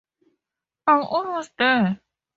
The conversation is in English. I'm almost there.